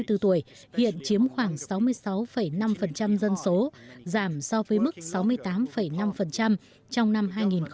từ một mươi năm đến sáu mươi bốn tuổi hiện chiếm khoảng sáu mươi sáu năm dân số giảm so với mức sáu mươi tám năm trong năm hai nghìn một mươi một